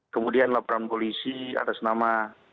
kemudian laporan polisi atas nama